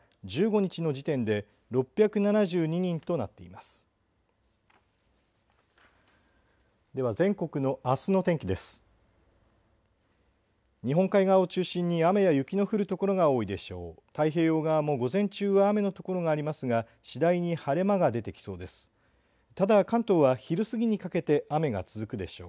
日本海側を中心に雨や雪の降る所が多いでしょう。